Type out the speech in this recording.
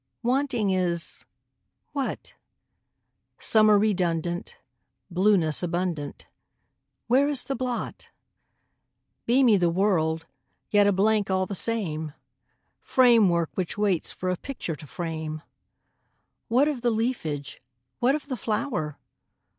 Wanting is what? Summer redundant, Blueness abundant, Where is the blot? Beamy the world, yet a blank all the same, Framework which waits for a picture to frame: What of the leafage, what of the flower?